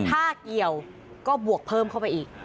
ถ้าเกี่ยวก็บวกเพิ่มเข้าไปอีก